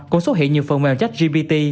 cũng xuất hiện nhiều phần mềm chách gbt